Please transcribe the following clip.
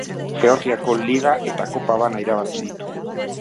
Georgiako Liga eta Kopa bana irabazi ditu.